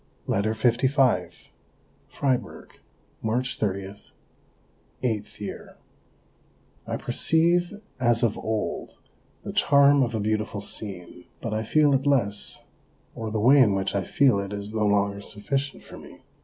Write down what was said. LETTER LV Fribourg, March 30 (VIII). I perceive as of old the charm of a beautiful scene, but I feel it less, or the way in which I feel it is no longer sufficient for me.